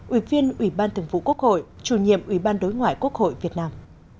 ủy viên ủy ban thường vụ quốc hội chủ nhiệm ủy ban đối ngoại quốc hội việt nam